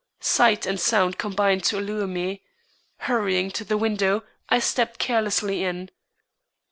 Sight and sound combined to allure me. Hurrying to the window, I stepped carelessly in.